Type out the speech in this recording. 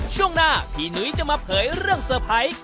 ช่วงหน้าพี่หนุ้ยจะมาเผยเรื่องเซอร์ไพรส์